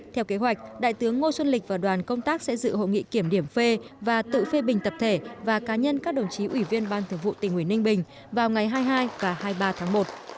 theo kế hoạch đại tướng ngô xuân lịch và đoàn công tác sẽ dự hội nghị kiểm điểm phê và tự phê bình tập thể và cá nhân các đồng chí ủy viên ban thực vụ tỉnh nguyễn ninh bình vào ngày hai mươi hai và hai mươi ba tháng một